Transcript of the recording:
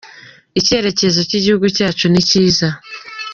Icyerekezo cy'igihugu cyacu ni kiza.